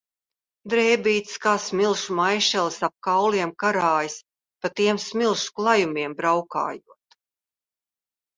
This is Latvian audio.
Drēbītes kā smilšu maišelis ap kauliem karājas, pa tiem smilšu klajumiem braukājot.